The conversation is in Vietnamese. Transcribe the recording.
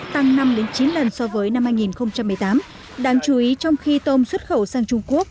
tăng năm chín lần so với năm hai nghìn một mươi tám đáng chú ý trong khi tôm xuất khẩu sang trung quốc